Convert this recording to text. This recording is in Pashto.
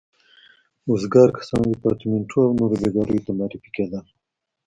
وزګار کسان ریپارټیمنټو او نورو بېګاریو ته معرفي کېدل.